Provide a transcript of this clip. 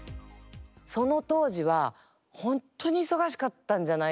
その当時はほんとに忙しかったんじゃないですか？